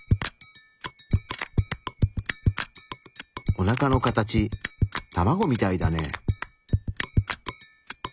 おなかの形卵みたいだね。